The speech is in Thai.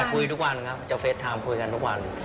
คุยทุกวันครับจะเฟสไทม์คุยกันทุกวัน